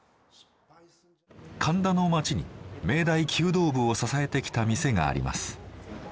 神田の街に明大弓道部を支えてきた店があります。